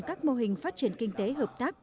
các mô hình phát triển kinh tế hợp tác